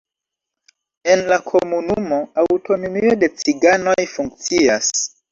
En la komunumo aŭtonomio de ciganoj funkcias.